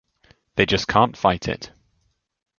They just can't fight it.